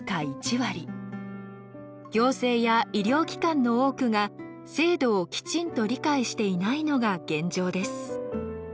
行政や医療機関の多くが制度をきちんと理解していないのが現状です。